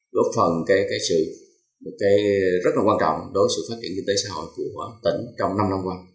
góp phần rất là quan trọng đối với sự phát triển kinh tế xã hội của tỉnh trong năm năm qua